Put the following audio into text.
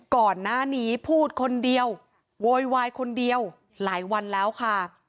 ก่อนหน้านี้พูดคนเดียวโวยวายคนเดียวหลายวันแล้วค่ะ